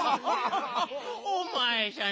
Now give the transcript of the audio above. おまえさん